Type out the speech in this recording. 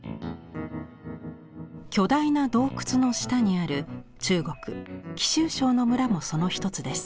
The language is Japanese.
巨大な洞窟の下にある中国・貴州省の村もその一つです。